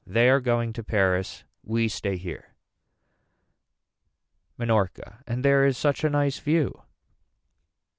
They are going to Paris. We stay here. Minorca. And there is such a nice view.